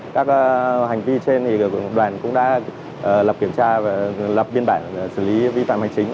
các hành vi trên đoàn cũng đã lập kiểm tra và lập biên bản xử lý vi phạm hành chính